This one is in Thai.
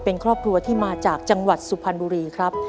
เป็นครอบครัวที่มาจากจังหวัดสุพรรณบุรีครับ